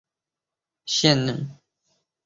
现任普雷斯顿的领队。